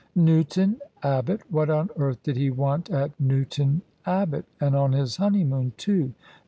" Newton Abbot? What on earth did he want at New ton Abbot — ^and on his honeymoon, too